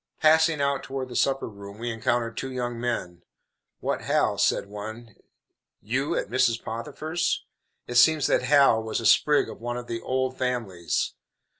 Passing out toward the supper room we encountered two young men. "What, Hal," said one, "you at Mrs. Potiphar's?" It seems that Hal was a sprig of one of the "old families."